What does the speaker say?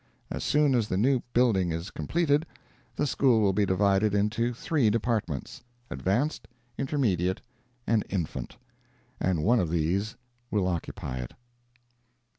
As soon as the new building is completed, the school will be divided into three departments—advanced, intermediate and infant—and one of these will occupy it.